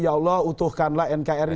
ya allah utuhkanlah nkri